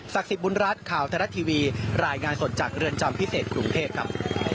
สิทธิ์บุญรัฐข่าวไทยรัฐทีวีรายงานสดจากเรือนจำพิเศษกรุงเทพครับ